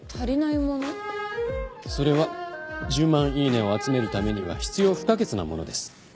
それは１０万イイネを集めるためには必要不可欠なものです。